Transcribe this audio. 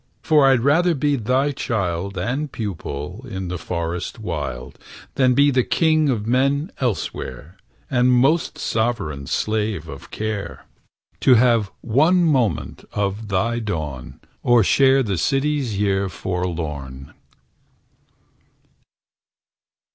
For I'd rather be thy child And pupil, in the forest wild, Than be the king of men elsewhere, And most sovereign slave of care; To have one moment of thy dawn, Than share the city's year forlorn.